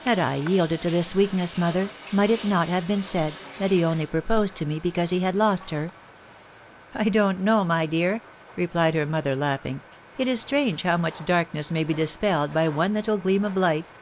Had I yielded to this weakness, mother, might it not have been said, that he only proposed to me because he had lost her?" " I don't know, my dear," replied her mother, laughing ;" it is strange how much darkness may be dispelled by one little gleam of light.